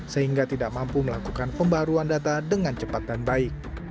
sehingga tidak mampu melakukan pembaruan data dengan cepat dan baik